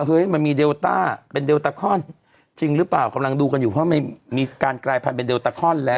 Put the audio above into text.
เฮ้ยมันมีเดลต้าเป็นเลตาคอนจริงหรือเปล่ากำลังดูกันอยู่เพราะมันมีการกลายพันธุเลตาคอนแล้ว